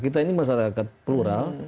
kita ini masyarakat plural